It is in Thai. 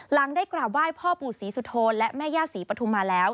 หลังได้กราบไหว้พ่อปู่ศรีสุโธนและแม่ย่าศรีปฐุมาแล้ว